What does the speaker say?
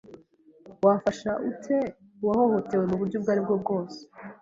Wafasha ute uwahohotewe muburyo ubwaribwo bwose